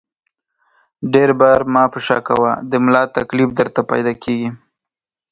ډېر بار مه په شا کوه ، د ملا تکلیف درته پیدا کېږي!